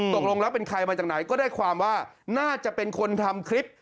ตกลงแล้วเป็นใครมาจากไหนก็ได้ความว่าน่าจะเป็นคนทำคลิป